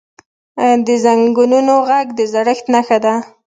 د زنګونونو ږغ د زړښت نښه ده.